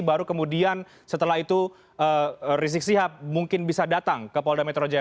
baru kemudian setelah itu rizik sihab mungkin bisa datang ke polda metro jaya